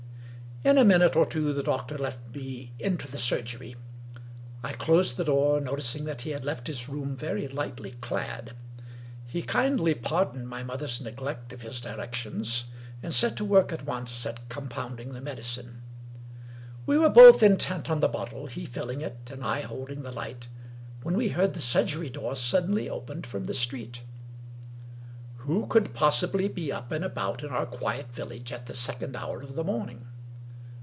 In a minute or two the doctor let me into the surgery. I closed the door, noticing that he had left his room very lightly clad. He kindly pardoned my mother's neglect of his directions, and set to work at once at compounding the medicine. We were both intent on the bottle; he filling it, and I holding the light — when we heard the surgery; door suddenly opened from the street. 237 English Mystery Stories VIII Who could possibly be up and about in our quiet vil lage at the second hour of the morning?